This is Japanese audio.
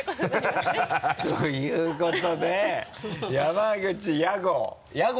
ということで山口ヤゴ。